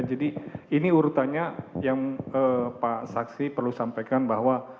jadi ini urutannya yang pak saksi perlu sampaikan bahwa